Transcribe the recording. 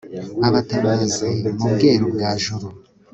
abatabazi mu Bweru bwa Juru